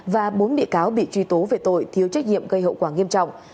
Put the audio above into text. và bốn bị cáo bị truy tố về tội thiếu trách nhiệm gây hậu quả nghiêm trọng